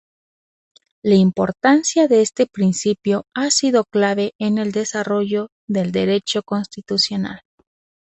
La importancia de este principio ha sido clave en el desarrollo del Derecho constitucional.